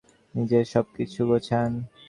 নিজের সবকিছু গোছান।